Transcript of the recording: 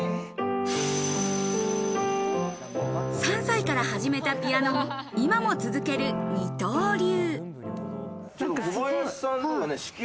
３歳から始めたピアノを、今も続ける二刀流。